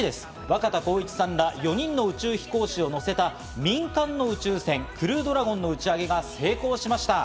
若田光一さんら４人の宇宙飛行士を乗せた民間の宇宙船クルードラゴンの打ち上げが成功しました。